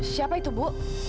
siapa itu bu